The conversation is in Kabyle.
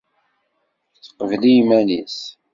Teqbel iman-is.